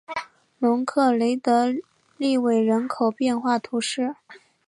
容克雷德利韦人口变化图示